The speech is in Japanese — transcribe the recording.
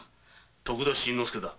徳田新之助だ。